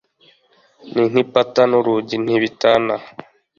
Ni nk'ipata n'urugi, ntibitana.